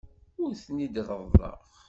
Ur ten-id-reḍḍleɣ.